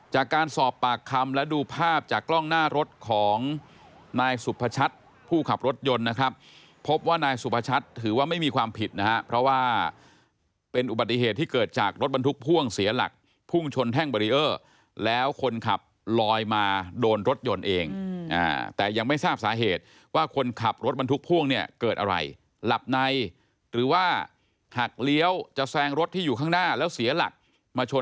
จากการสอบปากคำและดูภาพจากกล้องหน้ารถของนายสุภชัตร์ผู้ขับรถยนต์นะครับพบว่านายสุภชัตร์ถือว่าไม่มีความผิดนะครับเพราะว่าเป็นอุบัติเหตุที่เกิดจากรถบรรทุกพ่วงเสียหลักพุ่งชนแท่งบริเออร์แล้วคนขับลอยมาโดนรถยนต์เองแต่ยังไม่ทราบสาเหตุว่าคนขับรถบรรทุกพ่วงเนี่ยเกิดอะไรห